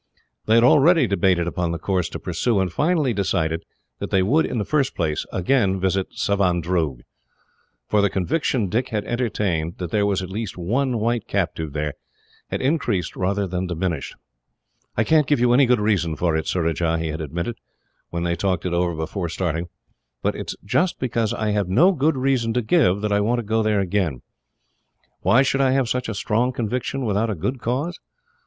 They had already debated upon the course to pursue, and finally decided that they would, in the first place, again visit Savandroog; for the conviction Dick had entertained, that there was at least one white captive there, had increased rather than diminished. "I can't give any good reason for it, Surajah," he had admitted, when they talked it over before starting, "but it is just because I have no good reason to give, that I want to go there again. Why should I have such a strong conviction without a good cause?